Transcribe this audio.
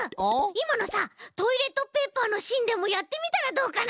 いまのさトイレットペーパーのしんでもやってみたらどうかな？